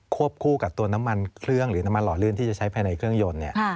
คู่กับตัวน้ำมันเครื่องหรือน้ำมันหล่อลื่นที่จะใช้ภายในเครื่องยนต์